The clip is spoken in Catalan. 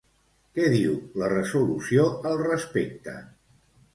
Què diu la resolució al respecte?